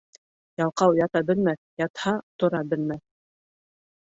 Ялҡау ята белмәҫ, ятһа, тора белмәҫ.